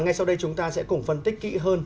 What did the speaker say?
ngay sau đây chúng ta sẽ cùng phân tích kỹ hơn